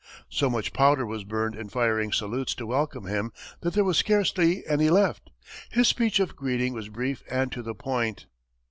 So much powder was burned in firing salutes to welcome him that there was scarcely any left. His speech of greeting was brief and to the point.